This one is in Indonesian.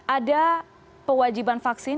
ada pewajiban vaksin